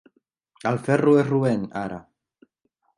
El ferro és roent, ara.